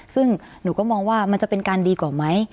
ซึ่งหนูก็มองว่ามันจะเป็นการดีกว่าไหม